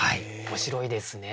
面白いですね。